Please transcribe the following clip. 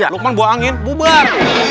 lukman buang angin bubar